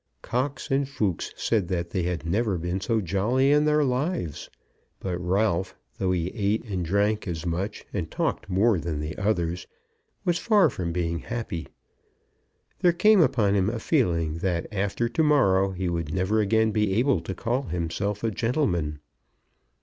Cox and Fooks said that they had never been so jolly in their lives; but Ralph, though he eat and drank as much and talked more than the others, was far from happy. There came upon him a feeling that after to morrow he would never again be able to call himself a gentleman.